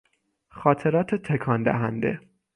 خاطرات تکان دهنده